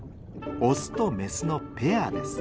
オスとメスのペアです。